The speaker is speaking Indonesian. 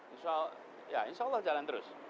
insya allah jalan terus